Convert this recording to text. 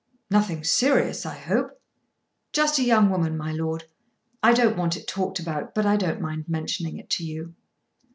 "Nothing serious, I hope." "Just a young woman, my lord. I don't want it talked about, but I don't mind mentioning it to you."